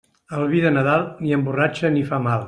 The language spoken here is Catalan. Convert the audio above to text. El vi de Nadal ni emborratxa ni fa mal.